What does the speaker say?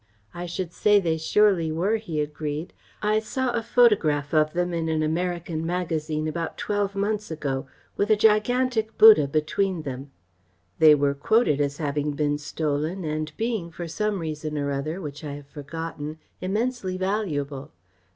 "I should say they surely were," he agreed. "I saw a photograph of them in an American magazine about twelve months ago, with a gigantic Buddha between them. They were quoted as having been stolen and being for some reason or other, which I have forgotten, immensely valuable.